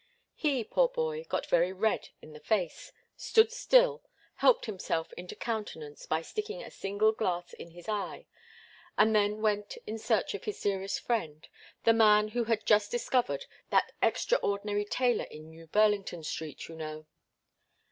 He, poor boy, got very red in the face, stood still, helped himself into countenance by sticking a single glass in his eye and then went in search of his dearest friend, the man who had just discovered that extraordinary tailor in New Burlington Street, you know.